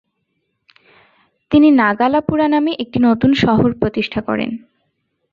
তিনি নাগালাপুরা নামে একটি নতুন শহর প্রতিষ্ঠা করেন।